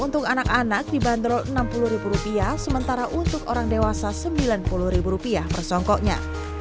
untuk anak anak dibanderol rp enam puluh sementara untuk orang dewasa rp sembilan puluh persongkoknya